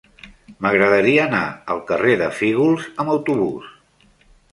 M'agradaria anar al carrer de Fígols amb autobús.